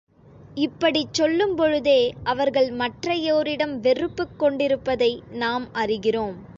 இப்படிச் சொல்லும் பொழுதே, அவர்கள் மற்றையோரிடம் வெறுப்புக் கொண்டிருப்பதை நாம் அறிகிறோம்.